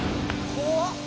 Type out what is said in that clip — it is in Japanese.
怖っ。